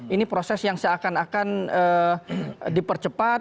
ini proses yang seakan akan dipercepat